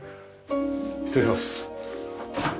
失礼します。